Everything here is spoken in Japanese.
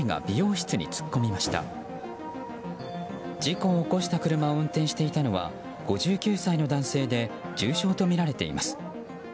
事故を起こした車を運転していたのは５９歳の男性で重傷とみられています。